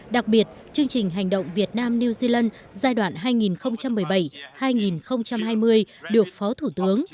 đặc biệt chương trình hành động việt nam new zealand giai đoạn hai nghìn một mươi bảy hai nghìn hai mươi được phó thủ tướng